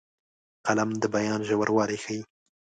قلم د بیان ژوروالی ښيي